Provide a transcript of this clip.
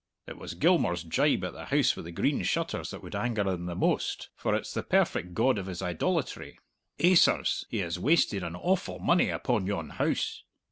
"It was Gilmour's jibe at the House wi' the Green Shutters that would anger him the most, for it's the perfect god of his idolatry. Eh, sirs, he has wasted an awful money upon yon house!"